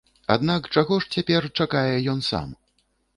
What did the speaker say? Аднак чаго ж цяпер чакае ён сам?